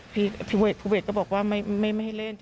พี่ภูเวทก็บอกว่าไม่ให้เล่น